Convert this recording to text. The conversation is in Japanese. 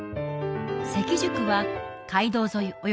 関宿は街道沿い